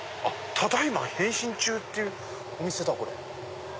「ただいま、変身中。」っていうお店だこれ。